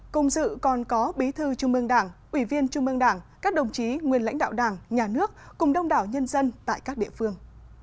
cùng dự còn có bí thư trung mương đảng ủy viên trung mương đảng các đồng chí nguyên lãnh đạo đảng nhà nước cùng đông đảo nhân dân tại các địa phương